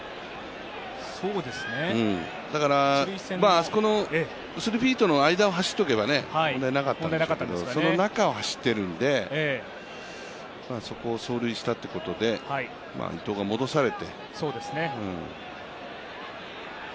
あそこの間を走っていれば問題なかったんでしょうけど、その中を走っているので、そこを走塁したということで、伊藤が戻されて。